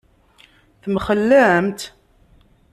Temxellemt?